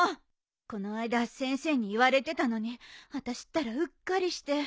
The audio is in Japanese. この間先生に言われてたのに私ったらうっかりして。